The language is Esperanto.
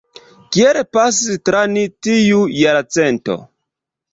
Kiel pasis tra ni tiu jarcento?